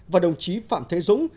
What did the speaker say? và đồng chí phạm thế dũng